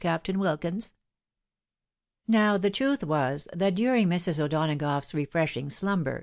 Captain Wilkins?" Now, the truth was, that during Mrs. O'Donagough's re freshing slumber.